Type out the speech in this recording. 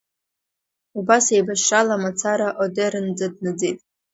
Убас еибашьрала мацара Одернӡа днаӡеит.